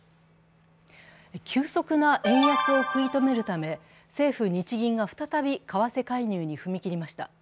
急速な円安を食い止めるため、政府・日銀が再び為替介入に踏み切りました。